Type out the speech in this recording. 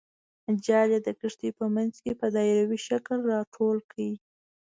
جال یې د کښتۍ په منځ کې په دایروي شکل راټول کړ.